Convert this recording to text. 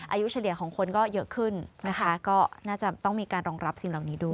เฉลี่ยของคนก็เยอะขึ้นนะคะก็น่าจะต้องมีการรองรับสิ่งเหล่านี้ด้วย